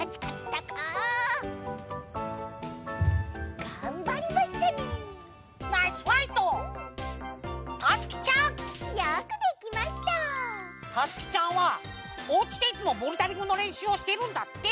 たつきちゃんはおうちでいつもボルダリングのれんしゅうをしているんだって！